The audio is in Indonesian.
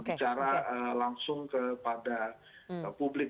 bicara langsung kepada publik